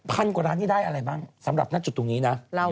กว่าร้านนี้ได้อะไรบ้างสำหรับหน้าจุดตรงนี้นะ